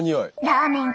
ラーメン！